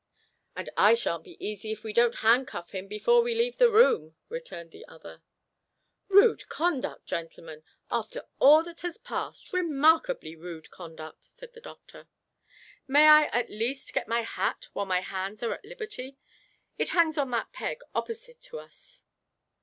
"And I shan't be easy if we don't handcuff him before we leave the room," returned the other. "Rude conduct, gentlemen after all that has passed, remarkably rude conduct," said the doctor. "May I, at least, get my hat while my hands are at liberty? It hangs on that peg opposite to us."